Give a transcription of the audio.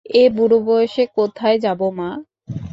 এ বুড়ো বয়সে কোথায় যাব মা?